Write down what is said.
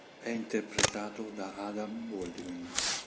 È interpretato da Adam Baldwin.